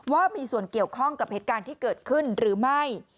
ว่ามีส่วนเกี่ยวข้องกับเหตุการณ์ที่เกิดขึ้นหรือไม่